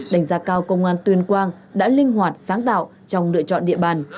đánh giá cao công an tuyên quang đã linh hoạt sáng tạo trong lựa chọn địa bàn